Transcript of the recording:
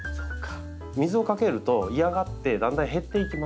水をかけると嫌がってだんだん減っていきます。